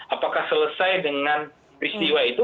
apakah selesai dengan peristiwa itu